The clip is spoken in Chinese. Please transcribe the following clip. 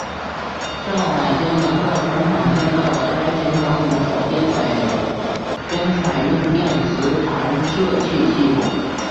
上海江南造船厂建造的该型航母首舰将采用电磁弹射器系统。